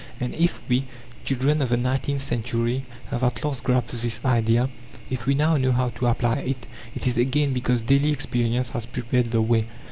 And if we, children of the nineteenth century, have at last grasped this idea, if we know now how to apply it, it is again because daily experience has prepared the way.